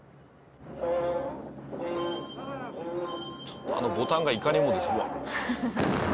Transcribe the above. ちょっとあのボタンがいかにもです。